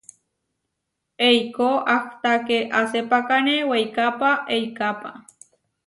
Eikó ahtaké asepákane weikápa eikápa.